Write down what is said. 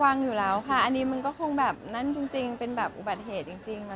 ควังอยู่แล้วค่ะอันนี้มันก็คงแบบนั้นจริงเป็นแบบอุบัติเหตุจริงอะไรอย่างนี้ค่ะ